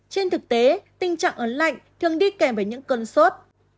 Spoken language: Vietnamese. trên thực tế tình trạng ấm lạnh thường đi kèm với những cơn sốt